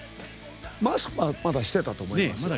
マスクはまだしてたと思います。